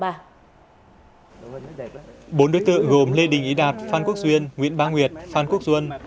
bốn đối tượng gồm lê đình ý đạt phan quốc duyên nguyễn ba nguyệt phan quốc duân